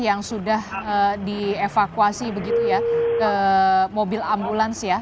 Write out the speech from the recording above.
yang sudah dievakuasi begitu ya ke mobil ambulans ya